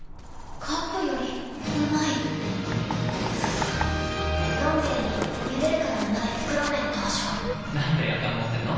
カップよりうまい「どん兵衛」に「ゆでるからうまい！袋麺」登場なんでやかん持ってるの？